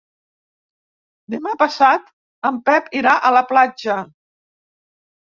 Demà passat en Pep irà a la platja.